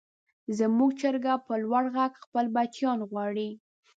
زموږ چرګه په لوړ غږ خپل بچیان غواړي.